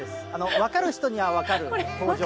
分かる人には分かる登場シーン。